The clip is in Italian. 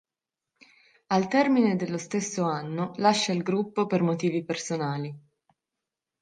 Al termine dello stesso anno lascia il gruppo per motivi personali.